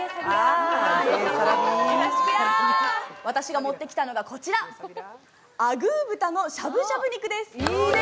私が持ってきたのがこちらあぐー豚のしゃぶしゃぶ肉です。